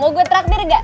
mau gue traktir gak